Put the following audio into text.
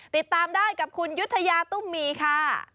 ติดตามได้กับคุณยุธยาตุ้มมีค่ะ